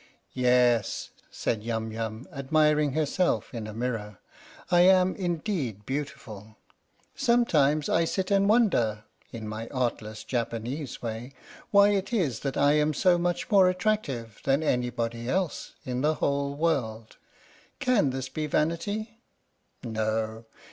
"Yes," said Yum Yum, admiring herself in a mirror, "I am indeed beautiful! Sometimes I sit and wonder in my artless Japanese way why it is that I am so much more attractive than anybody else in the whole world? Can this be vanity? No!